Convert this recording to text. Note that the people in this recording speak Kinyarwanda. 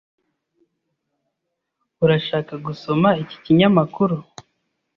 Urashaka gusoma iki kinyamakuru?